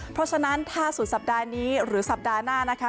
เพราะฉะนั้นถ้าสุดสัปดาห์นี้หรือสัปดาห์หน้านะคะ